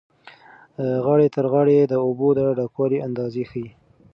غاړې تر غاړې د اوبو د ډکوالي اندازه ښیي.